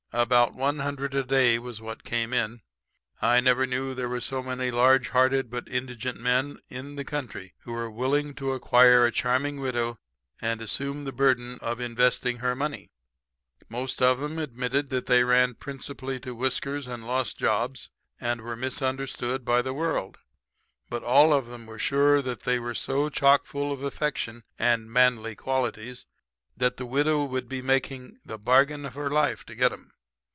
"About one hundred a day was what came in. I never knew there was so many large hearted but indigent men in the country who were willing to acquire a charming widow and assume the burden of investing her money. [Illustration: "About 100 a day was what came in."] "Most of them admitted that they ran principally to whiskers and lost jobs and were misunderstood by the world, but all of 'em were sure that they were so chock full of affection and manly qualities that the widow would be making the bargain of her life to get 'em.